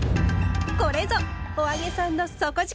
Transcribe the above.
これぞ「“お揚げさん”の底力！」。